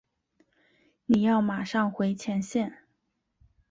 你要马上回前线。